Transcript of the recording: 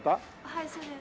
はいそうです。